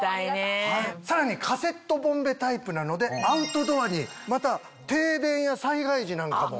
さらにカセットボンベタイプなのでアウトドアにまた停電や災害時なんかも。